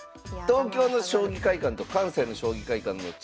東京の将棋会館と関西の将棋会館の違いはですね